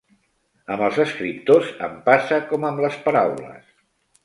Amb els escriptors em passa com amb les paraules.